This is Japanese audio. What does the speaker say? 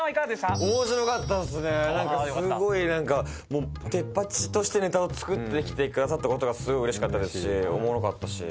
もう『テッパチ！』としてネタを作ってきてくださったことがすごいうれしかったですしおもろかったし。